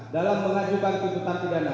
dalam mengajukan kebutuhan pidana